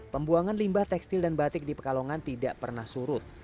pembuangan limbah tekstil dan batik di pekalongan tidak pernah surut